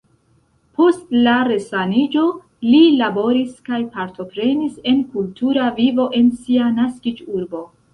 Post la resaniĝo li laboris kaj partoprenis en kultura vivo en sia naskiĝurbo.